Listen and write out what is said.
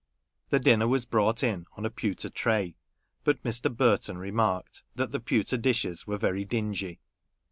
The dinner was brought in on a pewter tray ; but Mr. Burton remarked that the pewter dishes were very dingy.